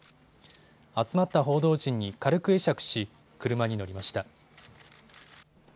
集まった報道陣に軽く会釈し、車に乗りました。